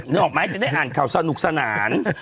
นึกออกไหมจะได้อ่านข่าวสนุกสนาน